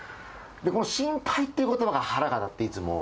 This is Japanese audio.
その心配っていうことばが腹が立って、いつも。